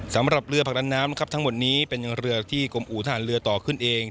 สำหรับเรือผลักดันน้ำครับทั้งหมดนี้เป็นเรือที่กรมอู่ทหารเรือต่อขึ้นเอง